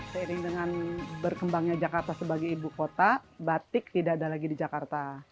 seiring dengan berkembangnya jakarta sebagai ibu kota batik tidak ada lagi di jakarta